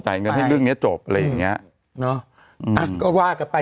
เงินให้เรื่องเนี้ยจบอะไรอย่างเงี้ยเนอะอ่ะก็ว่ากันไป